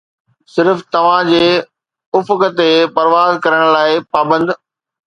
صرف توهان جي افق تي پرواز ڪرڻ لاء پابند